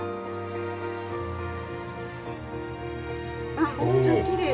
あっむっちゃきれい。